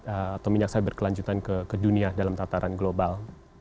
atau minyak sawit berkelanjutan ke dunia dalam tataran global